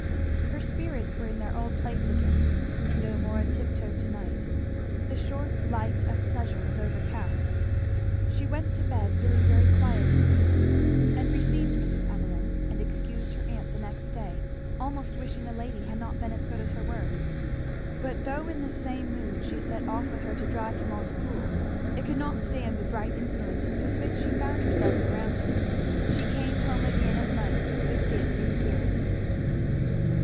Her spirits were in their old place again; no more a tip toe to night. The short light of pleasure was overcast. She went to bed feeling very quiet indeed; and received Mrs. Evelyn and excused her aunt the next day, almost wishing the lady had not been as good as her word. But though in the same mood she set off with her to drive to Montepoole, it could not stand the bright influences with which she found herself surrounded. She came home again at night with dancing spirits.